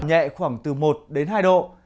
nhẹ khoảng từ một đến hai độ